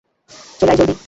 চলে আয় জলদি!